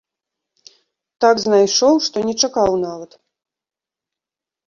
Так знайшоў, што не чакаў нават!